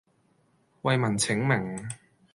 為民請命